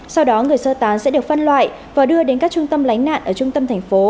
sau đó người sơ tán sẽ được phân loại và đưa đến các trung tâm lánh nạn ở trung tâm thành phố